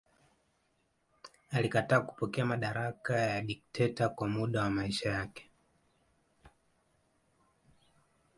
Alikataa kupokea madaraka ya dikteta kwa muda wa maisha yake.